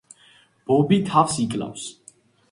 ბობი თავს იკლავს.